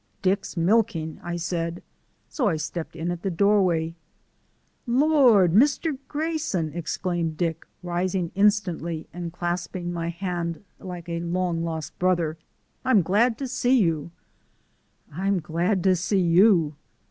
"Dick's milking," I said. So I stepped in at the doorway. "Lord, Mr. Grayson!" exclaimed Dick, rising instantly and clasping my hand like a long lost brother. "I'm glad to see you!" "I'm glad to see YOU!"